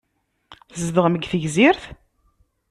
Tzedɣem deg Tegzirt?